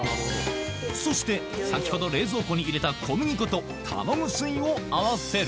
そして先ほど冷蔵庫に入れた小麦粉と卵水を合わせる